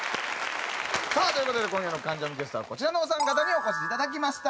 さあという事で今夜の『関ジャム』ゲストはこちらのお三方にお越しいただきました。